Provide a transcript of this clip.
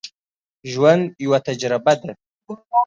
ژوند یوه تجربه ده